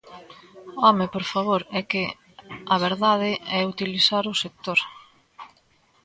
¡Home, por favor! É que a verdade é utilizar o sector.